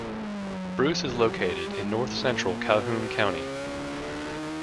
Bruce is located in north-central Calhoun County.